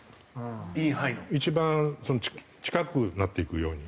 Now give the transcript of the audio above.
一番近くなっていくように。